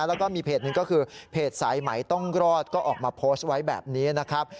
แล้วก็มีเพจหนึ่งก็คือเพจสายไหมต้องรอดก็ออกมาโพสต์ไว้แบบนี้นะครับ